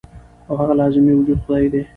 او هغه لازمي وجود خدائے دے -